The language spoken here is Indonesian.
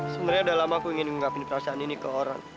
sebenarnya udah lama aku ingin ngungkapin perasaan ini ke orang